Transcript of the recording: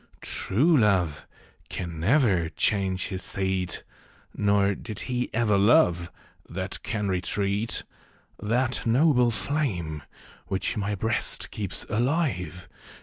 True love can never change his seat ; Nor did he ever love that can retreat. That noble flame, which my Ijreast keeps alive.